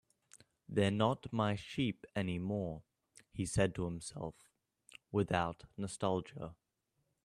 "They're not my sheep anymore," he said to himself, without nostalgia.